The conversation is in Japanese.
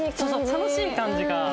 楽しい感じが。